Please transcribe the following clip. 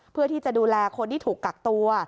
เพื่อที่จะดูแลคนที่ถูกกักตัว